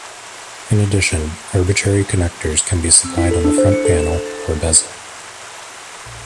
In addition, arbitrary connectors can be supplied on the front panel, or "bezel".